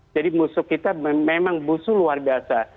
jadi musuh kita memang musuh luar biasa